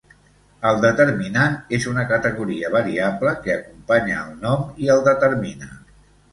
El determinant és una categoria variable que acompanya el nom i el determina.